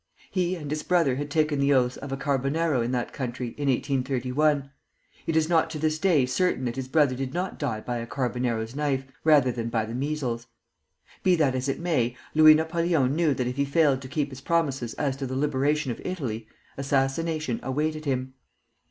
He and his brother had taken the oaths of a Carbonaro in that country, in 1831. It is not to this day certain that his brother did not die by a Carbonaro's knife, rather than by the measles. Be that as it may, Louis Napoleon knew that if he failed to keep his promises as to the liberation of Italy, assassination awaited him.